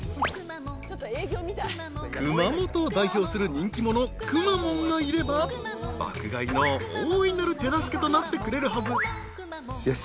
［熊本を代表する人気者くまモンがいれば爆買いの大いなる手助けとなってくれるはず］よし。